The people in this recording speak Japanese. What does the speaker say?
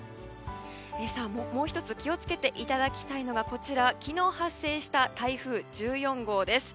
もう１つ気を付けていただきたいのが昨日発生した台風１４号です。